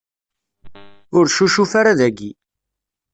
Ur succuf ara dayi.